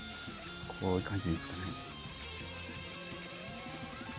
こういう感じでいいんですかね。